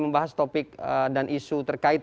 membahas topik dan isu terkait